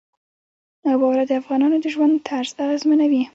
واوره د افغانانو د ژوند طرز اغېزمنوي.